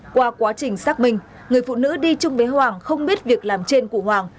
qua quá trình xác minh người phụ nữ đi chung với hoàng không biết việc làm trên của hoàng